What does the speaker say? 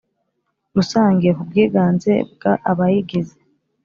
Rusange ku bwiganze bwa abayigize